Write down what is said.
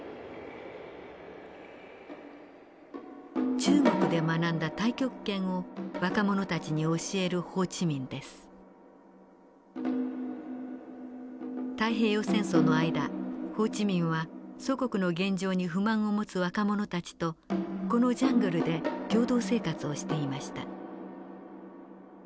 中国で学んだ太極拳を若者たちに教える太平洋戦争の間ホー・チ・ミンは祖国の現状に不満を持つ若者たちとこのジャングルで共同生活をしていました。